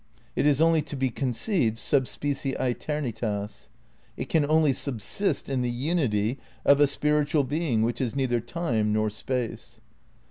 It is only to be conceived sub specie aetemitatis. It can only sub sist in the unity of a spiritual Being which is neither Time nor Space.